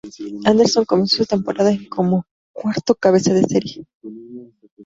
Anderson comenzó su temporada en como cuarto cabeza de serie.